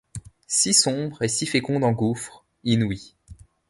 Si sombre et si féconde en gouffres. inouïs